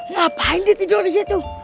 ngapain dia tidur disitu